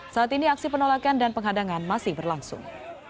saat ini aksi penolakan dan penghadangan masih berlangsung